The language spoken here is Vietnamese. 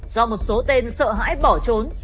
do một số tên sợ hãi bỏ trốn